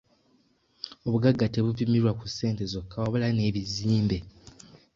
Obugagga tebupimirwa ku ssente zokka wabula n'ebizimbe.